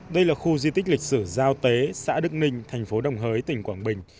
đây là khu di tích lịch sử giao tế xã đức ninh thành phố đồng hới tỉnh quảng bình